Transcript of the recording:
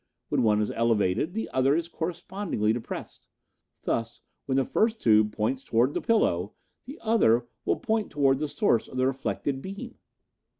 When one is elevated, the other is correspondingly depressed. Thus, when the first tube points toward the pillow, the other will point toward the source of the reflected beam."